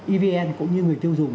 evn cũng như người tiêu dùng